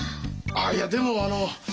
あいやでもあの。